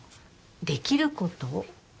できること？